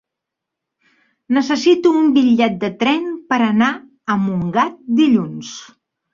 Necessito un bitllet de tren per anar a Montgat dilluns.